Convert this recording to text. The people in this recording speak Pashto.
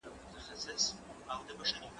زه هره ورځ د کتابتون د کار مرسته کوم،